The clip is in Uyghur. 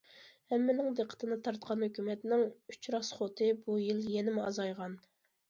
ھەممىنىڭ دىققىتىنى تارتقان ھۆكۈمەتنىڭ ئۈچ راسخوتى بۇ يىل يەنىمۇ ئازايغان.